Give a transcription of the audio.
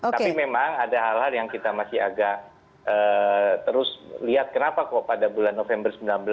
tapi memang ada hal hal yang kita masih agak terus lihat kenapa kok pada bulan november sembilan belas